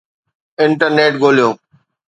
internet ڳوليو